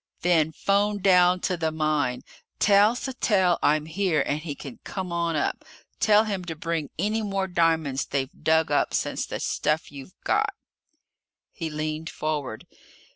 "Then phone down to the mine! Tell Sattell I'm here and he can come on up! Tell him to bring any more diamonds they've dug up since the stuff you've got!" He leaned forward.